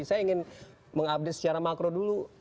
saya ingin mengupdate secara makro dulu